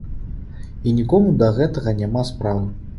І нікому да гэтага няма справы!